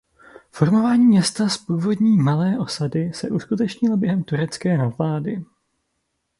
Formování města z původní malé osady se uskutečnilo během turecké nadvlády.